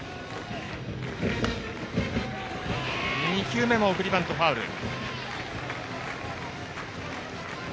２球目も送りバント、ファウル。